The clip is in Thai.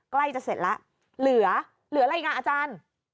ใกล้จะเสร็จแล้วเหลือรายงานอาจารย์